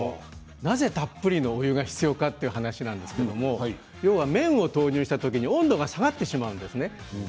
なぜたっぷりの湯が必要かということなんですが麺を投入した時に温度が下がってしまうんです。